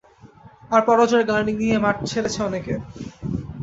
আর পরাজয়ের গ্লানি নিয়ে মাঠ ছেড়েছে অনেকে।